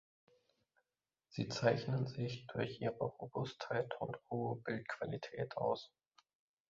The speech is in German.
Sie zeichnen sich durch ihre Robustheit und hohe Bildqualität aus.